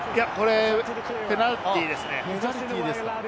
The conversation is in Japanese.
ペナルティーですね。